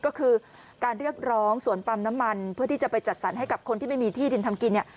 ก็คือการเรียกร้องสวนปั๊มน้ำมันเพื่อที่จะไปจัดสรรให้กับคนที่ไม่มีที่ดินทำกินเนี่ย